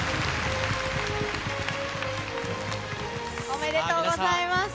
ありがとうございます。